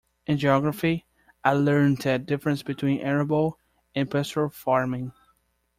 In geography, I learned the difference between arable and pastoral farming.